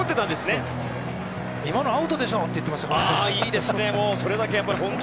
今のアウトでしょ！って言ってましたからね。